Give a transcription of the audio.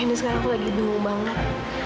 ini sekarang aku lagi bingung banget